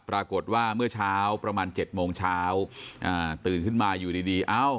ปรากฏว่าเมื่อเช้าประมาณ๗โมงเช้าตื่นขึ้นมาอยู่ดี